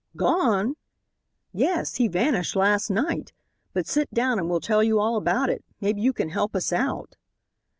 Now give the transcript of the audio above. "Gone!" "Yes. He vanished last night. But sit down and we'll tell you all about it. Maybe you can help us out."